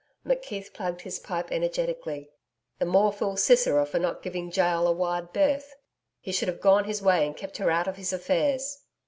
McKeith plugged his pipe energetically. 'The more fool Sisera for not giving Jael a wide berth. He should have gone his way and kept her out of his affairs.'